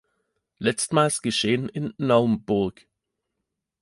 Letztmals geschehen in Naumburg.